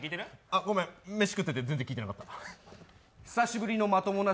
あっ、ごめん、飯食ってて全然聞いてなかった。